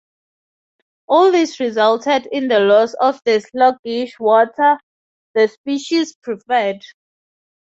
All this resulted in the loss of the sluggish water the species preferred.